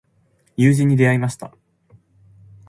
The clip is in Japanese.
友人に出会いました。